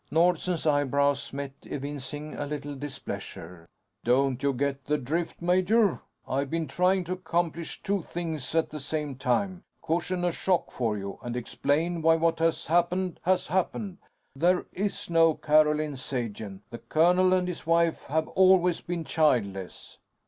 Nordsen's eyebrows met, evincing a little displeasure. "Don't you get the drift, major? I've been trying to accomplish two things at the same time. Cushion a shock for you and explain why what has happened has happened. There is no Carolyn Sagen. The colonel and his wife have always been childless."